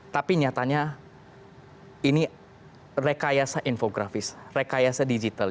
tapi nyatanya ini rekayasa infografis rekayasa digital